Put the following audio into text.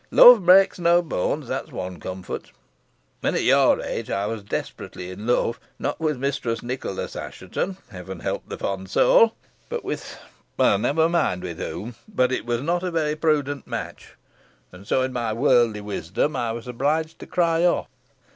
Love breaks no bones, that's one comfort. When at your age, I was desperately in love, not with Mistress Nicholas Assheton Heaven help the fond soul! but with never mind with whom; but it was not a very prudent match, and so, in my worldly wisdom, I was obliged to cry off.